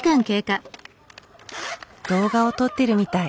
動画を撮ってるみたい。